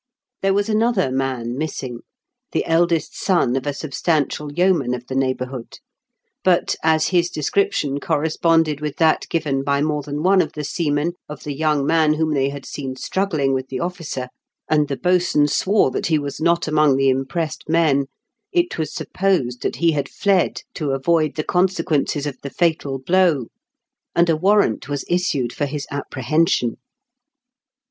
There was another man missing — the eldest son of a substantial yeoman of the neighbourhood — but, as his description corresponded with that given by more than one of the seamen of the young man whom they had seen struggling with the TEE KING'S PBE88. 277 officer, and the boatswain swore that he was not among the impressed men, it was supposed that he had fled to avoid the consequences of the fatal blow, and a warrant was issued for his apprehension.